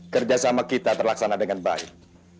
kerjasama kita terlaksana dengan baik